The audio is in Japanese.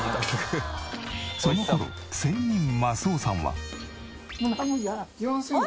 その頃仙人益男さんは。